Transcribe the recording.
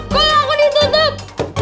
kok aku ditutup